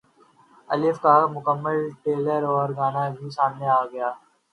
الف کا مکمل ٹریلر اور گانا بھی سامنے گیا